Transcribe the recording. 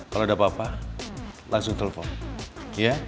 kalau ada apa apa langsung telepon ya